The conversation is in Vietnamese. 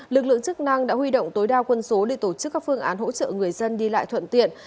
lực lượng chức năng đã huy động tối đa quân số để tổ chức các phương án hỗ trợ người dân đi lại thuận tiện